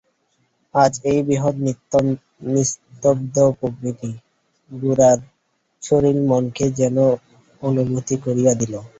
আজ এই বৃহৎ নিস্তব্ধ প্রকৃতি গোরার শরীর-মনকে যেন অভিভূত করিয়া দিল।